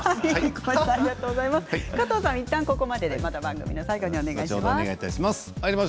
加藤さんは、いったんここまでで、また番組の最後にお願いします。